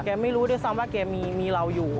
ไม่รู้ด้วยซ้ำว่าแกมีเราอยู่